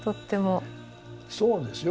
そうですよ。